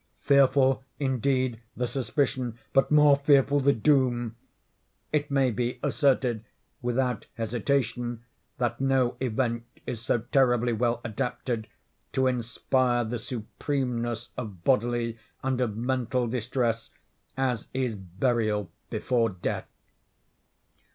Fearful indeed the suspicion—but more fearful the doom! It may be asserted, without hesitation, that no event is so terribly well adapted to inspire the supremeness of bodily and of mental distress, as is burial before death.